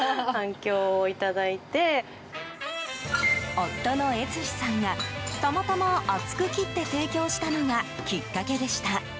夫の悦史さんがたまたま厚く切って提供したのがきっかけでした。